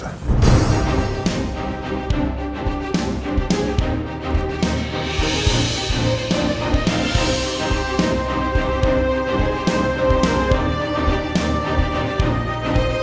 aku tinggal ya